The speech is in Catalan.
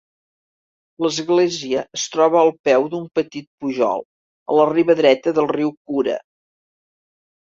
L'església es troba al peu d'un petit pujol a la riba dreta del riu Kura.